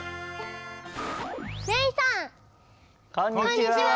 こんにちは。